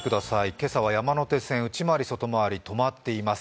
今朝は山手線、内回り、外回り止まっています。